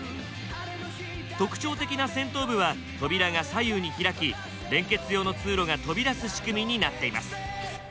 特徴的な先頭部は扉が左右に開き連結用の通路が飛び出す仕組みになっています。